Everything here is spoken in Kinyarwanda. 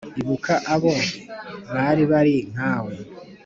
Ibuka abo bari bari nkawe